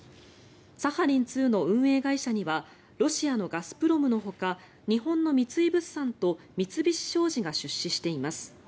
サハリン２の運営会社にはロシアのガスプロムのほか日本の三井物産と三菱商事が出資しています。